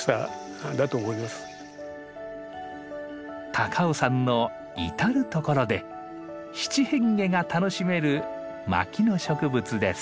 高尾山の至る所で七変化が楽しめる牧野植物です。